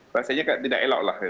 rasanya tidak elok lah